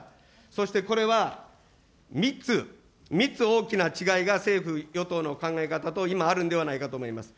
そしてこれは、３つ、３つ大きな違いが政府・与党の考え方と今、あるんではないかと思います。